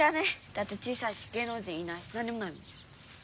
だって小さいしげいのう人いないしなんにもないもん！